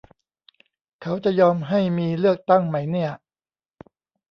เขาจะยอมให้มีเลือกตั้งไหมเนี่ย